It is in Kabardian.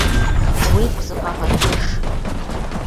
Уигу сыкъэгъэкӀыж.